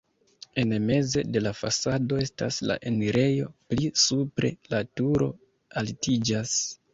En meze de la fasado estas la enirejo, pli supre la turo altiĝas.